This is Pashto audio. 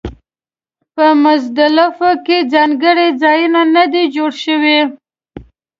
په مزدلفه کې ځانګړي ځایونه نه دي جوړ شوي.